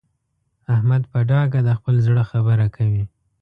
احمد په ډاګه د خپل زړه خبره کوي.